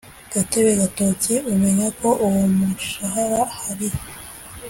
gatebe gatoki umenye ko uwo mushahara hari